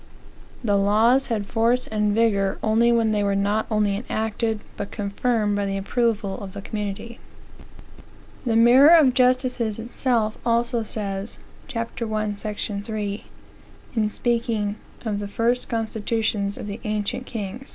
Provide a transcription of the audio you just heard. (The laws had force and vigor only when they were not only enacted, but confirmed by the approval of the community.) The Mirror of Justices itself also says, (ch. 1, sec. 3,) in speaking "Of the first Constitutions of the Ancient King."